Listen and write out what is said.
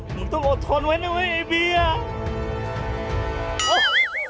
มึงต้องอดทนไว้หน่อยไอ้เบียร์